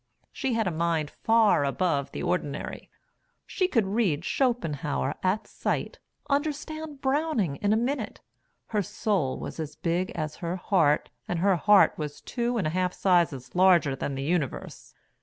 She had a mind far above the ordinary. She could read Schopenhauer at sight; understand Browning in a minute; her soul was as big as her heart and her heart was two and a half sizes larger than the universe.